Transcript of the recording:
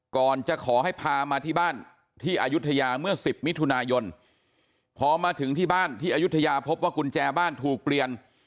ก่อนจะขอให้พามาที่บ้านที่อายุทยาเมื่อ๑๐มิถุนายนพอมาถึงที่บ้านที่อายุทยาพบว่ากุญแจบ้านถูกเปลี่ยน